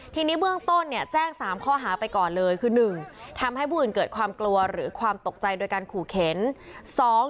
ทีนี้เบื้องต้นเนี่ยแจ้ง๓ข้อหาไปก่อนเลยคือ๑ทำให้ผู้อื่นเกิดความกลัวหรือความตกใจโดยการขู่เข็น